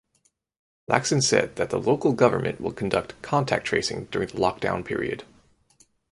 Lacson said that the local government will conduct contact tracing during the lockdown period.